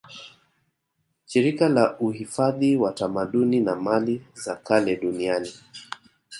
Shirika la uifadhi wa tamaduni na mali za kale Duniani